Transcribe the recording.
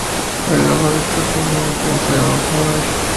El logo de esta estación es el frente de un automóvil.